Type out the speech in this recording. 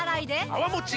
泡もち